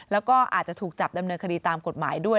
แล้วก็อาจจะถูกจับดำเนินคดีตามกฎหมายด้วย